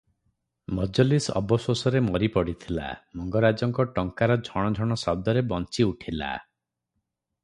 ମଜଲିସ ଅବଶୋଷରେ ମରି ପଡ଼ିଥିଲା, ମଙ୍ଗରାଜଙ୍କ ଟଙ୍କାର ଝଣ ଝଣ ଶବ୍ଦରେ ବଞ୍ଚିଉଠିଲା ।